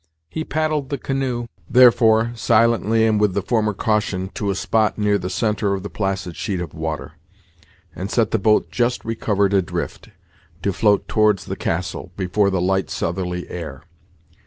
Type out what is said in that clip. He paddled the canoe, therefore, silently and with the former caution, to a spot near the centre of the placid sheet of water, and set the boat just recovered adrift, to float towards the castle, before the light southerly air.